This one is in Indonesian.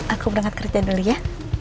aku berangkat kerjain dulu ya